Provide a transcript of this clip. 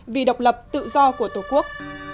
vì độc lập tự do của tổ quốc